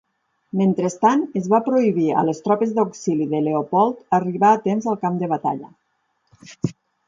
Mentrestant, es va prohibir a les tropes d'auxili de Leopold arribar a temps al camp de batalla.